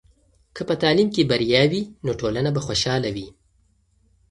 که په تعلیم کې بریا وي، نو ټولنه به خوشحاله وي.